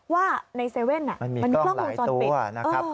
ว่าในเซเว่นมันกล้องวงจรปิดมันมีกล้องหลายตัวนะครับ